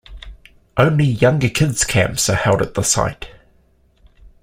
Only younger kids camps are held at the site.